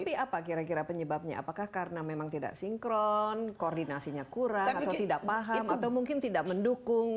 tapi apa kira kira penyebabnya apakah karena memang tidak sinkron koordinasinya kurang atau tidak paham atau mungkin tidak mendukung